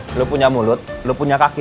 kamu punya mulut kamu punya kaki